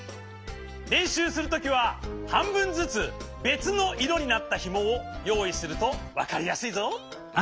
れんしゅうするときははんぶんずつべつのいろになったひもをよういするとわかりやすいぞ。